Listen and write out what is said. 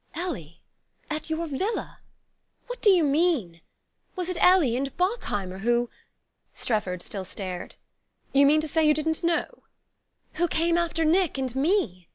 "Ellie at your villa? What do you mean? Was it Ellie and Bockheimer who ?" Strefford still stared. "You mean to say you didn't know?" "Who came after Nick and me...?"